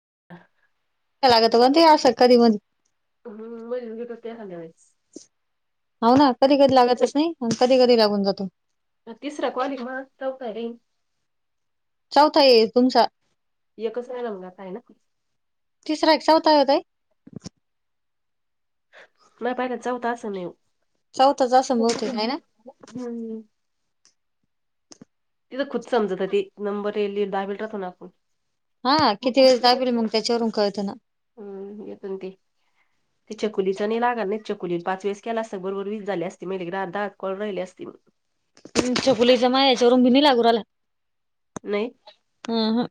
[unintelligible] सगळ्यांनातवन आसंकाधी म्ह हम्मं मग तर ते हल्यास हो ना, कधी कधी लागतच नाही ना, कधी कधी लागून जातो. तिसरा कॉल्लिंग मं चौत्ताये. चौथा ये तुमचा हे कसं हाय, रंगात आहे ना? तिसरा एक सौता यो ताई. म पयाला चौथा असण यो. चौथाच असलं बहुतेक हायना? तिथ खुद समजत ती नंबर येली दहा [unintelligible] टाकु ना आपण हा किती हम्म वेळेस दाबल मग त्याच्यावरून कळत ना. येतो ना ते ते छकुलीचा नाही लागणा नाही च कुली पाच वेळेस केला असतं बरोबर वीस झाले असते, मग दहा दहा कॉल राहिले असते मग. हं छकुलीचा माझ्या याच्यावरूनभी नाही लागून राहीला. हम्म हं.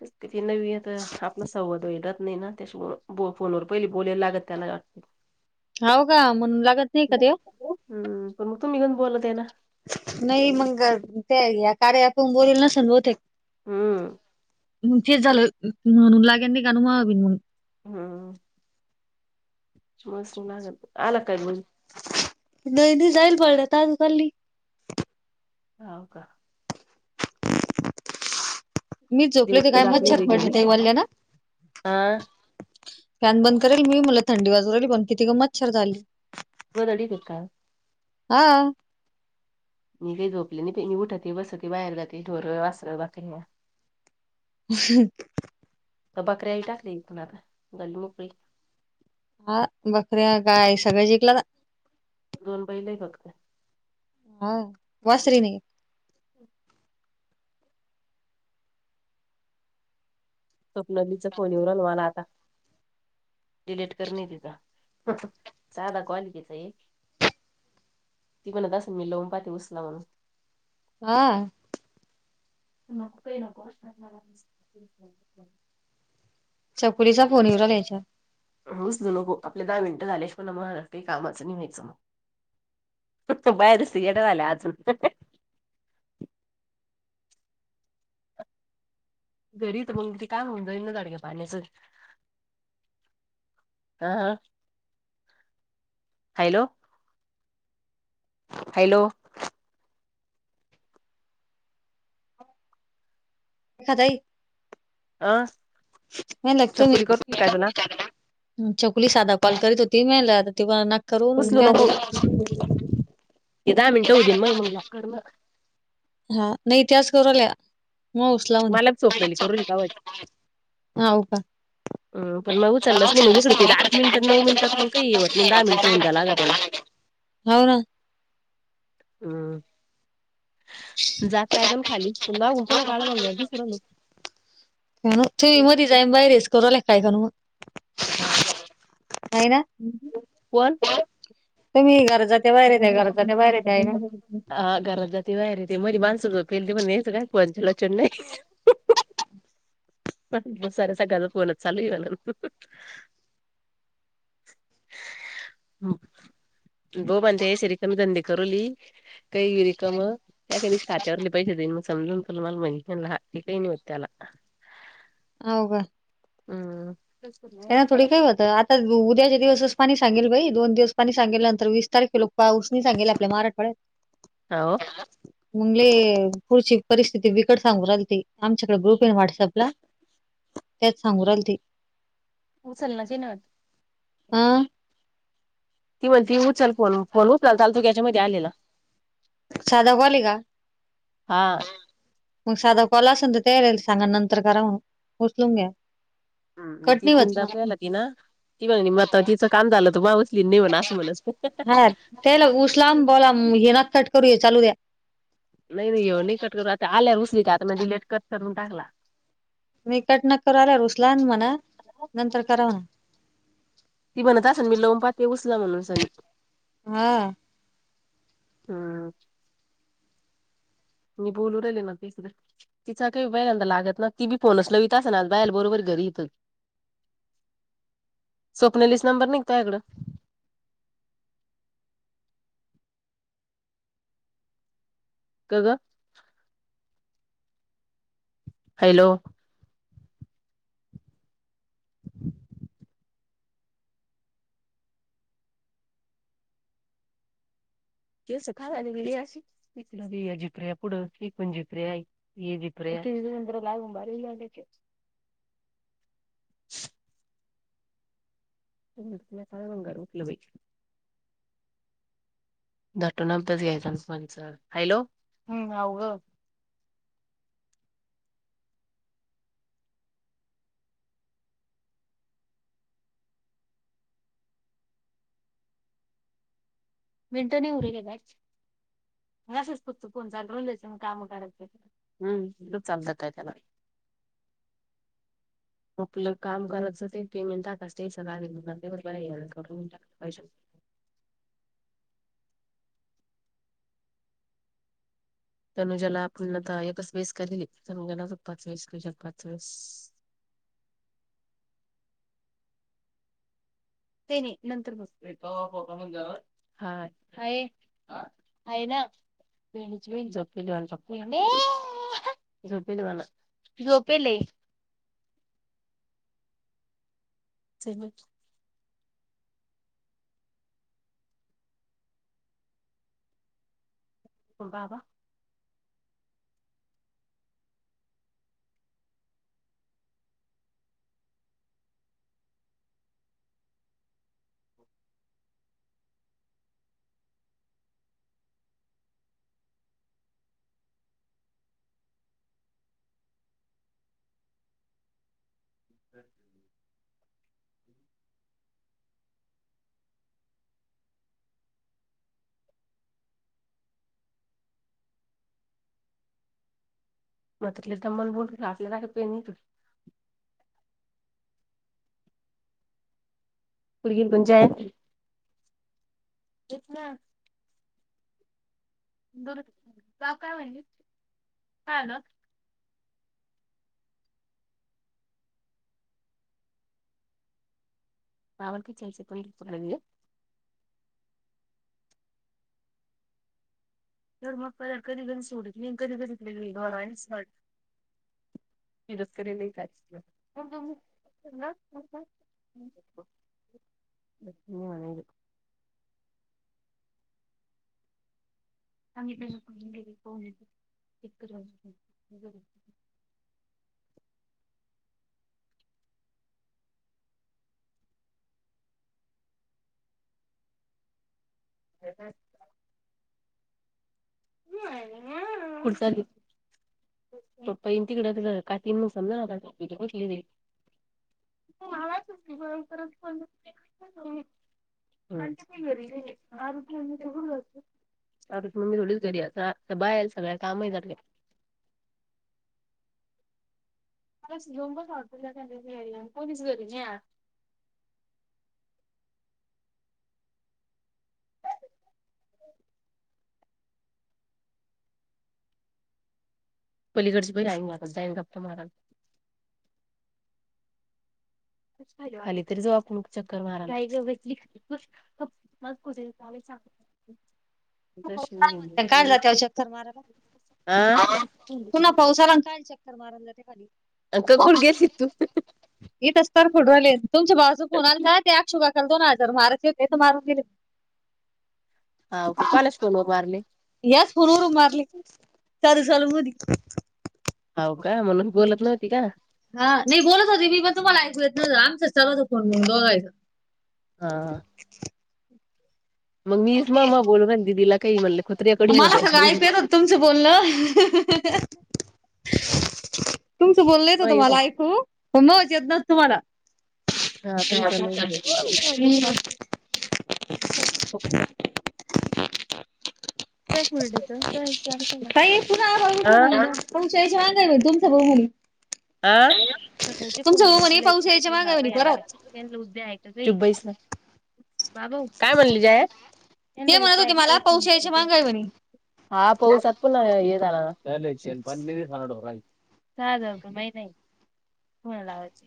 तेच ती नवी आता आपला संवाद वगैरे रहात नाही ना त्याच्या फोनवर पहिली बोलायला लागत त्यालाही वाटते. होव का म्हणून लागत नाही का ते? तुम्हीहुन बोलत आहे ना? नाही मग ते या कार्यातुन बोलल नसल बहुतेक. हम्म. तेच झालं म्हणून लागे नाही [unintelligible] म्हणून मग हा. तुम्हाला सुन [unintelligible] आल का काय [unintelligible] नाही नाही जाईल पडला ताज खल्ली हो का? मी झोपले ते दिवसभर काय जात नाही मच्छर बाई पडले घरी त्याईवाल्या ना हा फॅन बंद करेल मी मला थंडी वाजू राहिली पण किती ग मच्छर झाली. [unintelligible] हा. मी काही झोपले नाही बाई. मी उठते, बसते, बाहेर जाते. ढोर, वासर बाकी [unintelligible] तर बकऱ्या बी टाकले वीकुन आता झाली मोकळी. हा बकऱ्या काय सगळं विकलं ना दोन बैल हाय फक्त. हा वासरे नाही? हम्म. स्वप्नालीचा फोन येऊ राहिला मला आता. डिलीट करणे तिचां साधा क्वालिटीचा एक ती म्हणत असण मी लावुन पाहती उसनं म्हणून. हा. नको काही नको असत्यात मला [unintelligible] छकुलीचा फोन येऊ राहिला यांच्यावर. उचलु नको आपले दहा मिनिटं झाल्या शिवाय ना मग काही कामाचं नाही व्हायचं मग. ते बघ तो बाहेरच येडा झाला अजून घरी तर मग किती काय होऊन जाई ना जाडग्या पाण्याचं. हा, हा हॅलो. हॅलो. खा ताई अं नाही लगतो मी छकुली साधा कॉल करीत होत ती [unintelligible] उचलू त्या नको हे दहा मिनिटं होऊ दे मग न लाव. हा नाही त्याच करू राहिल्या. मग उचला मलाक चोपडली करू कावाज हा. हो का? हम पण मग उचललंच नाही मग इकडे ते आठ मिनिटं नऊ मिनिटात मग काही येवत नाही दहा मिनिटं [unintelligible] होऊन द्या लागा होव ना. हम्म जात काय पण खाली पण नाव [unintelligible] काळ [unintelligible] काण तु म र जाईम बा रेस कर ललेखा ए खन मग हा आहे ना कोण त मी गरज हा घरज जात वय र ते मदी माणस झोपेल ते पण पयचं काय पण लचण नाही सऱ्या सकाळ तर फोन चालूला [unintelligible] बो म्हते सर कमी धंदे करूली काही रकम त्या ख त्यावरले पैसे देईन मग समजून त तूला मी म्हणली हा काही नाही होते त्याला होव का हम्म त्यांना थोडी काय होतं आता उद्याच्या दिवसच पाणी सांगेल बाई दोन दिवस पानी सांगल्या नंतर वीस तारखे लोक पाऊसनी सांगेले आपल्या मराठवाड्यात हो मगली पुढची परिस्थिती बिकड सांगू रालते आमच्याकडे ग्रुप आहे व्हॉट्सअपला त्याच सांगू रालते उचल की नाही आ ती म्हण त उचचाल फ फोन उचलाल चाल तू याच्यामध्ये आलेला साध कॉल का हा मग साधा कॉल असेून तर तया रा येईल सांगा नंतर करा उचलून घ्या हम् कट ती नाही होत तीनदा ना पला कि ना ती म्हण म तिचं कान झालं त मा उचली नाही म्ह असं म्हणत ते ल उसलाम बोला हेना चट करूया चालू द्या नाही नाही निकट करू आता आल्या रुसली का आ म डलेट कर करून टाकला मी कट न कर आल्या रुसलान म्हणा नंतर कराव ना ती म्हणत असेन मी लोमपाते उसला म्हणून सनी हा हम् मी बोलू राहिले ना ते सु तिचा काही बयलांदा लागत ना ती बी फोनच लवता अस ना बाल बरोबर कररी त स्वप्नलिस् नंबर निघतोकडं का ग हॅलो स खा जिप्रिया पुढं एकण जिप्रे जिप्रे तीस पंदरा लाग उबारी लालेचे तुला साळ बंगार उपल वयची दटो नतच यायचं फच हॅलो ग [unintelligible] मिनटो नाही उरायल काय मेसेज पुरत फोन चालू राहू द्यायचा मग काम करायचप चालत काय त्याला [unintelligible] आपलं काम करात अस ते पेमट ज अस ते सगळं करून [unintelligible] तनुजा ला आपण आता एकच बेस केली तनुज्याला सग पाच वेस क जग पाच वेळेस [unintelligible] ते नाही नंतर बस हा अईना पीडची वीचो पिलवाल र त झपेलेवाला त झोपेले स म बाबा... अम्... मग तिथले तर मन बोलला आपल्याला का प नाही तु... पुढ पंचायत... दु जा काय म्हणज काय आलं मावक चचे तोणप क आहे तर मग कधी कधी सोडत नाही कधी कधी घर आहेट रस्करी काय... व [inaudible] चांगली पाहिजे [unintelligible] [unintelligible] पपई तिकड का तीन म सम नाली... म आवाचच बरं परच पण... म... घरी बाहे सगळ्या कामही झा... घेऊन ब त्यां कोणीच घरी नाही या.... [inaudible] [inaudible] पलीकडची प राई मारत जाईन गप्पा मारा... खाली तरी झोप चक्कर मारा... हो.... हो काय म्हणत काढला त्या शक्कर माराला.... पुन्हा आ पावसाला काल चक्कर माराय ज... क कुठ गेलती तू येतच तर... ले तुमच्या भावच फोन आणि ते अक्षशुकाल दोन हजार मारत य होते तर मारून गेले... हाव का कोणाच्या फोनवर मारले याच फोनवरून मारले चालू लू मी... हो का म्हणून बोलत नव्हती का.. हा नाही बोलत होते मी पण तुम्हाला ऐकू येत ना आमचं चालल फोनण बघायचं हा.. मग मीच मग मग बोलू राहिली दिदीला काही म्हणलं कुत्रे रेकॉर्डिंग होते मला सग याच्यामध्ये ऐक तुमचं बोललं... [inaudible] तुमचं बोलण येत होत मला ऐकू मग येत ना तुम्हाला... हा ह तुमचं नाव हम्... एक... का वडच... काय पुन्हा आघितलं म्हला पण शची वांगा तुमचं ब म्हली... अ सकाळ प भाऊ म्हणे पाऊस यायच्या मागं आहे बाबा म्हणे या परत उ्याका.. ह... बाबा काय बोलली जाय... ते म्हणत होते मला पाऊस यायच्या मागं आहे म्हणे हा पऊ सत्प... नाही कणालावायचं...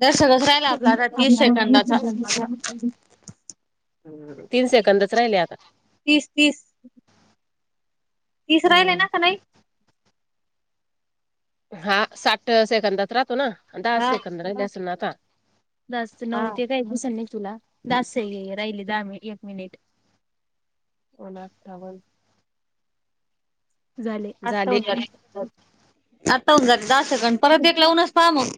दर सगळंच राहिला आपला आता तीस सेकंदाचा न... तीन सेकंदच राहिले आता... तीस तीस.... तिस राहिल आहे ना हम्म का नाही... हा साठ सेकंदात रातो ना दहा हा सेकंद रा अस ना आता... दास नऊ हा ते काही दिसल नाही तुला दास राहिले दहा मि एक मिनिट... अ सावून... झाले झाले आत्ताऊन झाले दहा सेकंड परत एक लावूनच पहा मग